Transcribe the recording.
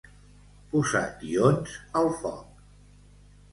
Posar tions al foc.